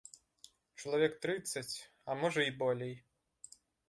Чалавек трыццаць, а можа і болей.